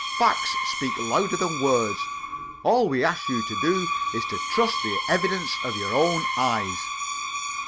Facts speak louder than words. All we ask you to do is to trust the evidence of your own eyes."